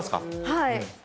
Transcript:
はい。